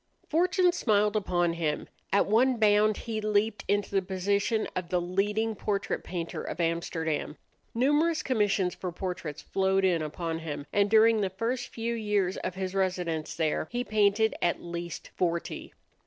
Fortune smiled upon him. At one bound he leaped into the position of the leading portrait painter of Amsterdam. Numerous commissions for portraits flowed in upon him, and during the first few years of his residence there he painted at least forty.